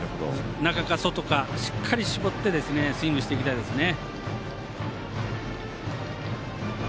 中か外か、しっかり絞ってスイングしていきたいですね。